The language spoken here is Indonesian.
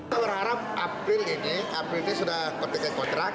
kita berharap april ini april ini sudah kontingen kontrak